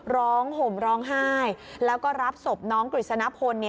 ห่มร้องไห้แล้วก็รับศพน้องกฤษณพล